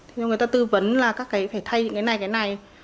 thế nhưng người ta tư vấn là các cái phải thay cái này cái này